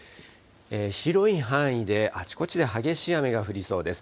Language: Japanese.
広い範囲であちこちで激しい雨が降りそうです。